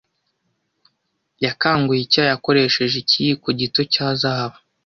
Yakanguye icyayi akoresheje ikiyiko gito cya zahabu.